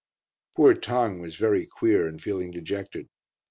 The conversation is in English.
Poor Tong was very queer and feeling dejected.